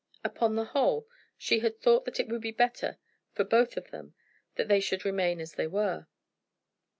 Upon the whole, she had thought that it would be better for both of them that they should remain as they were.